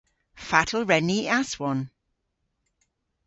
Fatel wren ni y aswon?